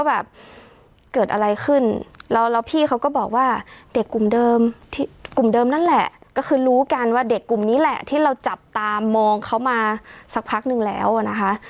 เด็กกลุ่มเดิมที่กลุ่มเดิมนั่นแหละก็คือรู้กันว่าเด็กกลุ่มนี้แหละที่เราจับตามมองเขามาสักพักหนึ่งแล้วนะคะ